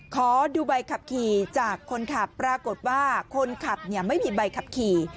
ขอดูใบขับขี่จากคนขับปรากฏว่าคนขับไม่มีใบขับขี่